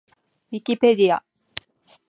ウィキペディア